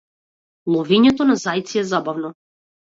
Ловењето на зајаци е забавно.